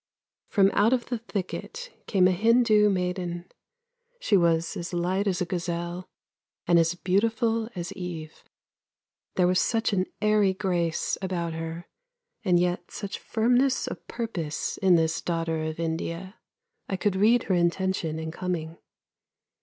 From out of the thicket came a Hindoo maiden; she was as light as a gazelle, and as beautiful as Eve. There was such an airy grace about her, and yet such firmness of purpose in this daughter of India; I could read her intention in coming.